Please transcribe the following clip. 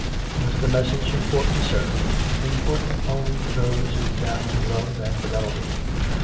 " Was the message important, sir ?"" Important only to those who value love and fidelity."